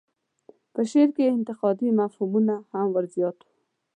په شعر کې یې انتقادي مضمونونه هم زیات وو.